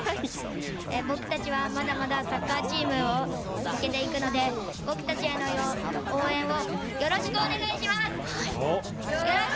僕たちはまだまだサッカーチームを続けていくので僕たちへの応援をよろしくお願いします。